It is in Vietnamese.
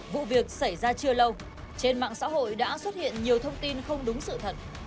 vụ việc xảy ra chưa lâu trên mạng xã hội đã xuất hiện nhiều thông tin không đúng sự thật